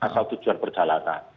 asal tujuan perjalanan